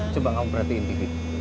coba kamu perhatiin pri